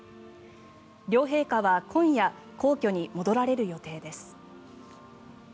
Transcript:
両陛下は今夜、皇居に戻られる予定です。